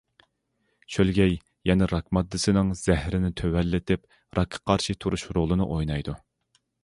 شۆلگەي يەنە راك ماددىسىنىڭ زەھىرىنى تۆۋەنلىتىپ راكقا قارشى تۇرۇش رولىنى ئوينايدۇ.